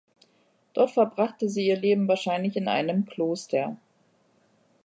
Dort verbrachte sie ihr Leben wahrscheinlich in einem Kloster.